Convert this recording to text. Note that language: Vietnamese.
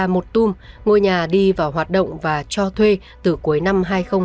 một tùm ngôi nhà đi vào hoạt động và cho thuê từ cuối năm hai nghìn hai mươi ba